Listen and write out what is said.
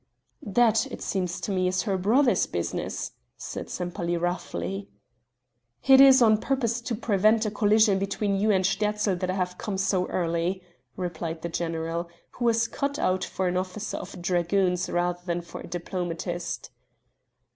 "That, it seems to me, is her brother's business," said Sempaly roughly. "It is on purpose to prevent a collision between you and Sterzl that I have come so early," replied the general, who was cut out for an officer of dragoons rather than for a diplomatist.